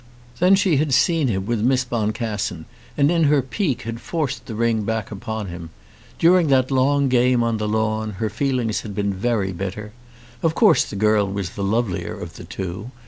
Then she had seen him with Miss Boncassen, and in her pique had forced the ring back upon him. During that long game on the lawn her feelings had been very bitter. Of course the girl was the lovelier of the two.